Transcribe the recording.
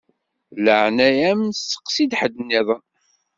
Di leɛnaya-m steqsi ḥedd-nniḍen.